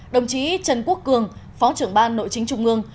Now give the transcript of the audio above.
đồng chí trần quốc cường phó trưởng ban nội chính trung ương